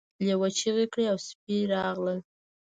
لیوه چیغې کړې او سپي راغلل.